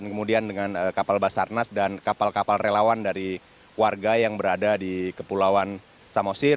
kemudian dengan kapal basarnas dan kapal kapal relawan dari warga yang berada di kepulauan samosir